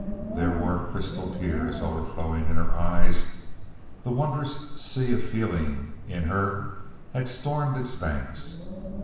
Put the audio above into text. There were crystal tears overflowing in her eyes. The wondrous sea of feeling in her had stormed its banks.